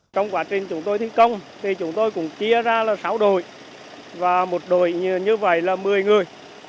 trong quá trình chúng tôi thi công thì chúng tôi cũng chia ra là sáu đội và một đội như vậy là một mươi người